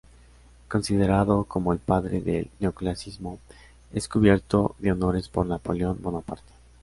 Considerado como el padre del Neoclasicismo, es cubierto de honores por Napoleón Bonaparte.